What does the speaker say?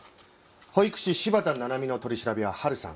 保育士柴田七海の取り調べは春さん。